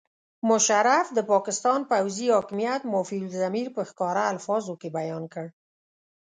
مشرف د پاکستان د پوځي حاکمیت مافي الضمیر په ښکاره الفاظو کې بیان کړ.